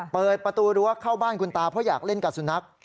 เปิดประตูรั้วเข้าบ้านคุณตาเพราะอยากเล่นกับสุนัข